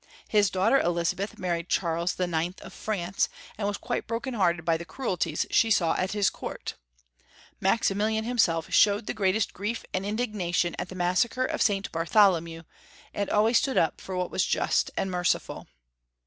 His daughter Elizabeth married Charles IX. of France, and was quite broken liearted by the cruelties she saw at liis court. Maximilian liimself showed the greatest giief and indignation at the Massacre of St. Bai*tholomew, and always stood up for what was just and mercifid.